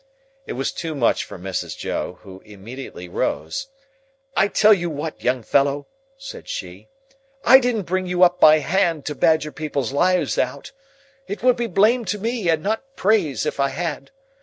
It was too much for Mrs. Joe, who immediately rose. "I tell you what, young fellow," said she, "I didn't bring you up by hand to badger people's lives out. It would be blame to me and not praise, if I had.